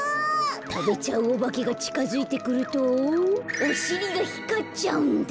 たべちゃうおばけがちかづいてくるとおしりがひかっちゃうんだ。